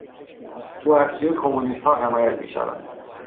او از سوی کمونیستها حمایت میشود.